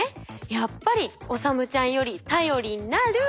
やっぱり理ちゃんより頼りになる！